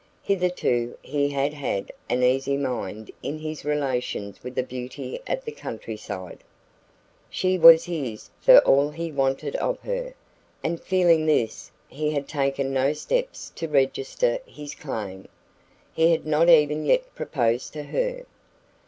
Hitherto he had had an easy mind in his relations with the beauty of the countryside. She was his for all he wanted of her. And feeling this, he had taken no steps to register his claim; he had not even yet proposed to her.